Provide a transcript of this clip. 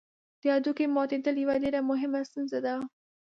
د هډوکي ماتېدل یوه ډېره مهمه ستونزه ده.